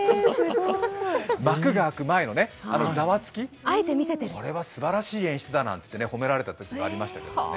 幕が開く前の、あのざわつき、これはすばらしい演出だなんて褒められたときもありましたね。